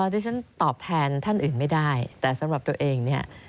ที่ฉันตอบแทนท่านอื่นไม่ได้แต่สำหรับตัวเองเนี่ย